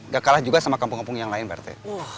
gak kalah juga sama kampung kampung yang lain berarti